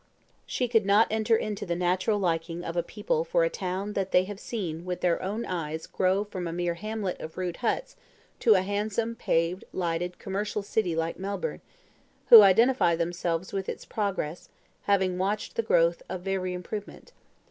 She could not enter into the natural liking of a people for a town that they have seen with their own eyes grow from a mere hamlet of rude huts to a handsome, paved, lighted, commercial city like Melbourne who identify themselves with its progress, having watched the growth of every improvement.